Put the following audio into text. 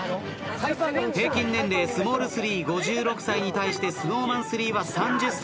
平均年齢スモール３５６歳に対してＳｎｏｗＭａｎ３は３０歳。